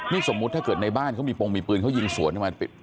นี่สมมุติในบ้านเขามีปงหรือปืนเขายิงสวน